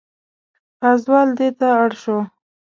پازوال دېته اړ شو.